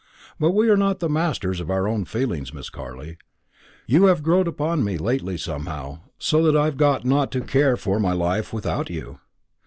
But we are not the masters of our feelings, Miss Carley. You have growed upon me lately somehow, so that I've got not to care for my life without you.